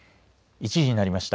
１時になりました。